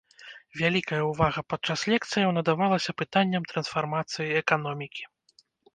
Вялікая ўвага падчас лекцыяў надавалася пытанням трансфармацыі эканомікі.